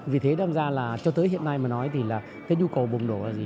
vì thế đâm ra là cho tới hiện nay mà nói thì là cái nhu cầu bùng nổ là gì